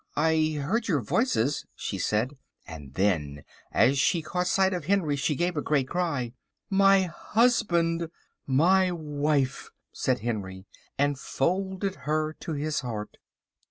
"I heard your voices," she said, and then, as she caught sight of Henry, she gave a great cry. "My husband!" "My wife," said Henry, and folded her to his heart.